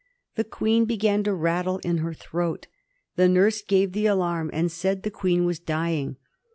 The Queen began to rattle in her throat. The nurse gave the alarm, and said the Queen was dying.